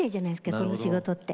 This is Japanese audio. この仕事って。